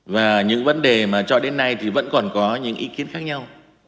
và những vấn đề mà cho đến nay thì vẫn còn có những ý kiến khác nhau